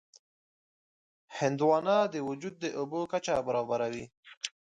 هندوانه د وجود د اوبو کچه برابروي.